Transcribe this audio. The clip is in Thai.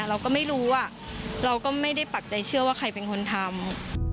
เราก็ไม่รู้เราก็ไม่ได้ปักใจเชื่อว่าใครเป็นคนทำ